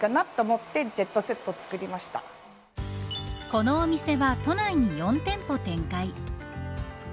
このお店は都内に４店舗展開。